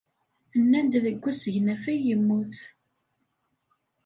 Nnan-d deg usegnaf ay yemmut.